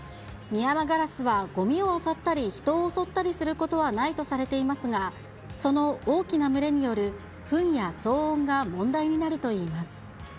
ミヤマガラスはごみをあさったり、人を襲ったりすることはないとされていますが、その大きな群れによるふんや騒音が問題になるといいます。